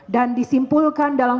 dan disimpulkan dalam